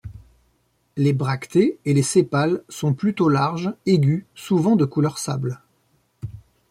Les bractées et les sépales sont plutôt larges, aigus, souvent de couleur sable.